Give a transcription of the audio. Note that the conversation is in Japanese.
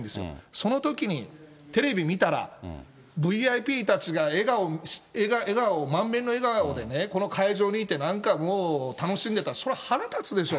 そのときに、テレビ見たら、ＶＩＰたちが笑顔、満面の笑顔でね、この会場にいて、なんかもう楽しんでたら、それはもう腹立つでしょ。